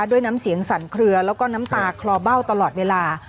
ด้วยน้ำเสียงสั่นเคลือแล้วก็น้ำตาคลอเบ้าตลอดเวลา